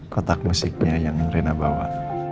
kotak musiknya yang rina bawa